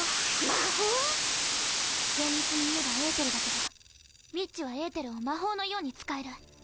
魔法⁉厳密に言えばエーテルだけどウィッチはエーテルを魔法のように使える。